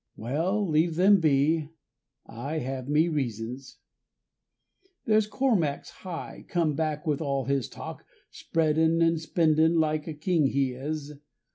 Well, leave them be, I have me reasons. There's Cormac's Hugh come back with all his talk, Spreadin' and spendin' like a king he is.